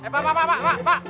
pak pak pak